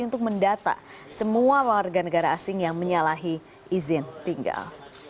untuk mendata semua warga negara asing yang menyalahi izin tinggal